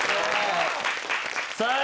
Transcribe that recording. さあ